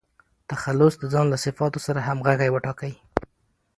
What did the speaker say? تخلص د ځان له صفاتو سره همږغي وټاکئ.